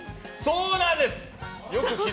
そうなんです！